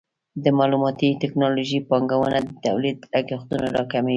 د معلوماتي ټکنالوژۍ پانګونه د تولید لګښتونه راکموي.